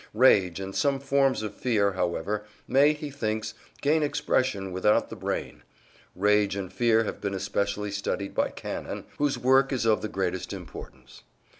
Rage and some forms of fear, however, may, he thinks, gain expression without the brain. Rage and fear have been especially studied by Cannon, whose work is of the greatest importance.